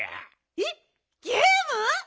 えっゲーム？